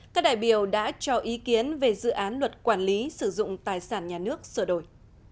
các đại biểu đã cho ý kiến về dự án luật quản lý sử dụng tài sản nhà nước sửa đổi